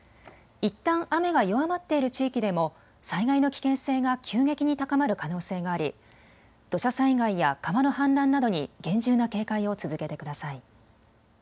いったん雨が弱まっている地域でも災害の危険性が急激に高まる可能性があり土砂災害や川の氾濫などに厳重な警戒を続けてください。